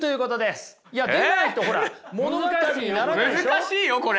難しいよこれ。